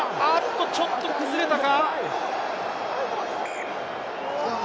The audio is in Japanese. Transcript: ちょっと崩れたか。